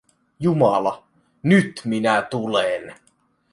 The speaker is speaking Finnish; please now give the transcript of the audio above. Jumala, nyt minä tulen.